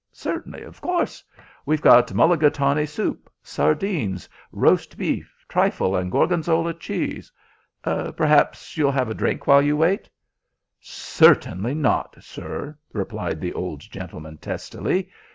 Certainly, of course. We've got mulligatawny soup, sardines, roast beef, trifle and gorgonzola cheese. Perhaps you'll have a drink while you wait?" "Certainly not, sir," replied the old gentleman testily.